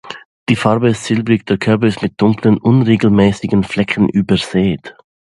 Die Farbe ist silbrig; der Körper ist mit dunklen, unregelmäßigen Flecken übersät.